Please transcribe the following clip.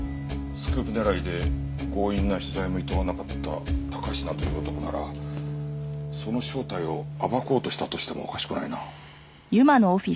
スクープ狙いで強引な取材もいとわなかった高階という男ならその正体を暴こうとしたとしてもおかしくないな。